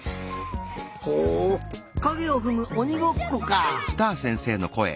ほうかげをふむおにごっこか。